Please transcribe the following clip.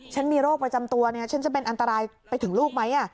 มีโรคประจำตัวฉันจะเป็นอันตรายไปถึงลูกไหม